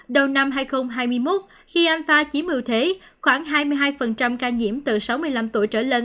đầu năm hai nghìn hai mươi một khi amfa chỉ mưu thế khoảng hai mươi hai ca nhiễm từ sáu mươi năm tuổi trở lên